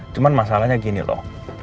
cuman masalahnya gini loh